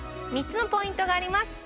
３つのポイントがあります